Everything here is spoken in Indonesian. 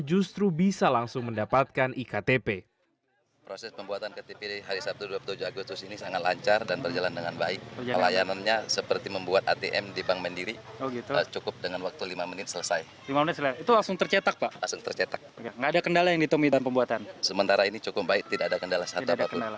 yang harus mendapatkan iktp